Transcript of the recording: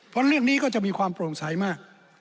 เพราะเรื่องนี้ก็จะมีความโปร่งใสมาก